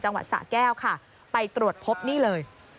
จังหวัดสะแก้วค่ะไปตรวจพบนี่เลย